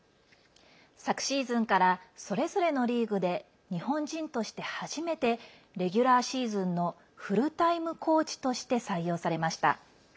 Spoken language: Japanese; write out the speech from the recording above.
昨シーズンからそれぞれのリーグで日本人として初めてレギュラーシーズンのフルタイムコーチとして採用されました。